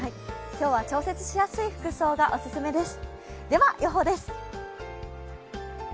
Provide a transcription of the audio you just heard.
今日は調節しやすい服装がおすすめです。